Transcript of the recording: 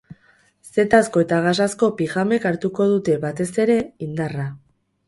Zetazko eta gasazko pijamek hartuko dute, batez ere, indarra.